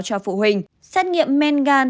cho phụ huynh xét nghiệm men gan